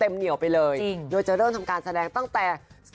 เหนียวไปเลยโดยจะเริ่มทำการแสดงตั้งแต่